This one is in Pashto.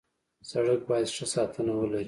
سړک باید ښه ساتنه ولري.